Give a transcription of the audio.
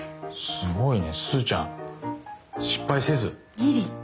すごいねすずちゃん失敗せず。